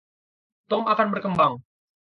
Tom akan berkembang.